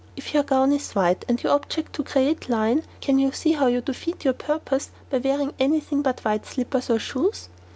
If your gown is white and your object to create line, can you see how you defeat your purpose by wearing anything but white slippers or shoes?